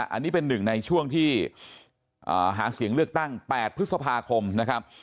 อันนี้เป็นหนึ่งในช่วงที่หาเสียงเลือกตั้ง๘พฤษภาคมนะครับ